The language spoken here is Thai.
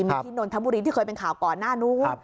มีที่นนทบุรีที่เคยเป็นข่าวก่อนหน้านู้น